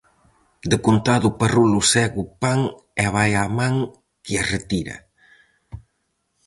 Decontado o parrulo segue o pan e vai á man que a retira.